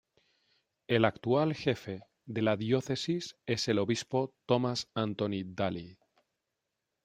El actual jefe de la Diócesis es el Obispo Thomas Anthony Daly.